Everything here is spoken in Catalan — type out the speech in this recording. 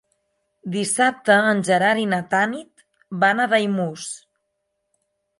Dissabte en Gerard i na Tanit van a Daimús.